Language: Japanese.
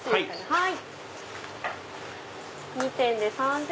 はい。